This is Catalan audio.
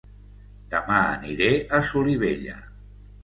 Dema aniré a Solivella